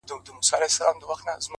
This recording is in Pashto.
دا يې د ميــــني تـرانـــه ماته كــړه.!